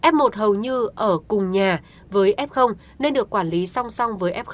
f một hầu như ở cùng nhà với f nên được quản lý song song với f